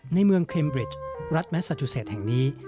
ในเมืองเคลมบริดรัฐแมสซาจูเศษแห่งนี้